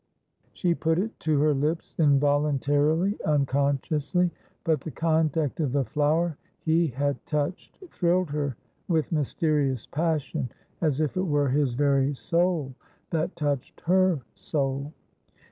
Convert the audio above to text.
' She put it to her lips involuntarily, unconsciously ; but the contact of the flower he had touched thrilled her with mysterious passion — as if it were his very soul that touched her soul.